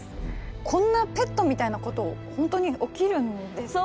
こんなペットみたいなことを本当に起きるんですかね？